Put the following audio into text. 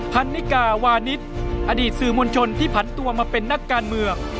พันนิกาวานิสอดีตสื่อมวลชนที่ผันตัวมาเป็นนักการเมือง